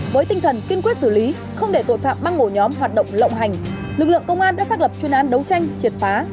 với tinh thần kiên quyết xử lý không để tội phạm băng ổ nhóm hoạt động lộng hành lực lượng công an đã xác lập chuyên án đấu tranh triệt phá